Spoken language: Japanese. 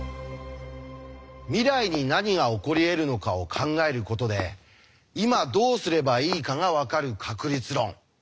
未来に何が起こりえるのかを考えることで今どうすればいいかが分かる確率論。